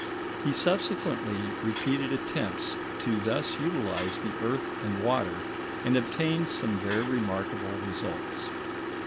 He subsequently repeated attempts to thus utilise the earth and water, and obtained some very remarkable results.